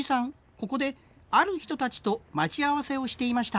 ここである人たちと待ち合わせをしていました。